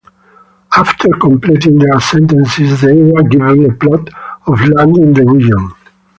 After completing their sentences they were given a plot of land in the region.